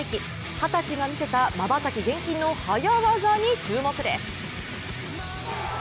二十歳が見せたまばたき厳禁の早業に注目です。